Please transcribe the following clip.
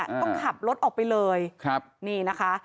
ต้องขับรถออกไปเลยครับนี่นะคะ